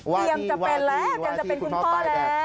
จะเป็นแล้วเตรียมจะเป็นคุณพ่อแล้ว